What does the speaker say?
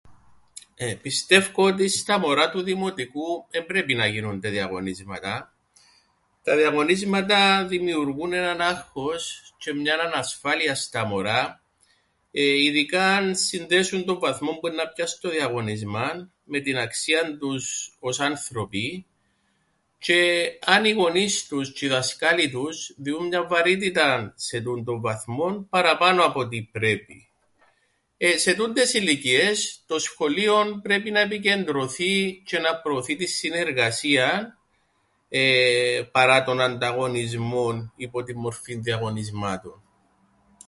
Πιστεύκω ότι στα μωρά του δημοτικού εν πρέπει να γίνουνται διαγωνίσματα. Τα διαγωνίσματα δημιουργούν έναν άγχος τζ̆αι μιαν ανασφάλειαν στα μωρά ειδικά αν συνδέσουν τον βαθμόν που εννά πιαν στο διαγώνισμαν με την αξίαν τους ως άνθρωποι τζ̆αι αν οι γονείς τους τζ̆αι οι δασκάλοι τους διούν μιαν βαρύτηταν σε τούντον βαθμόν παραπάνω απ' ό,τι πρέπει. Ε.. σε τούντες ηλικίες το σχολείον πρέπει να επικεντρωθεί τζ̆αι να προωθεί την συνεργασίαν εεε... παρά τον ανταγωνισμόν υπό την μορφήν διαγωνισμάτων.